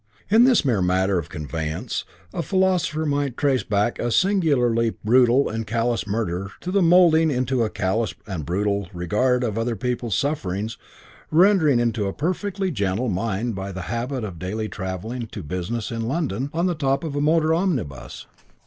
In this mere matter of conveyance a philosopher might trace back a singularly brutal and callous murder to the moulding into callous and brutal regard of other people's sufferings rendered into a perfectly gentle mind by the habit of daily travelling to business in London on the top of a motor omnibus.